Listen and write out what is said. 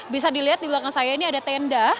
bisa dilihat di belakang saya ini ada tenda